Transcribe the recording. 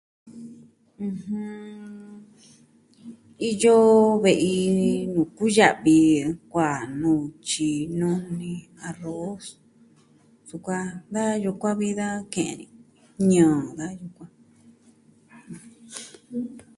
Iyo ve'i nuu kuya'vi kua nutyi, nuni, arros, sukuan da yukuan vi da ke'en ñɨɨ da yukuan.